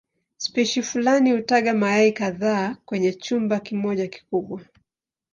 Spishi fulani hutaga mayai kadhaa kwenye chumba kimoja kikubwa.